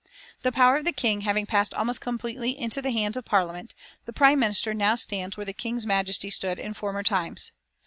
The power of the King having passed almost completely into the hands of Parliament, the Prime Minister now stands where the King's majesty stood in former times.